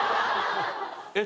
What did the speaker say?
えっ？